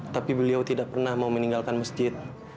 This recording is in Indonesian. tapi beliau tidak pernah mau meninggalkan masjid